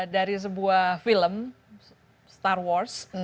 dari sebuah film star wars